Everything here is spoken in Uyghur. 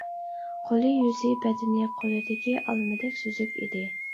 قولى يۈزى بەدىنى قولىدىكى ئالمىدەك سۈزۈك ئىدى.